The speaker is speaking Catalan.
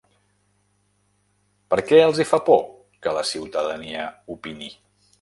Per què els hi fa por que la ciutadania opini?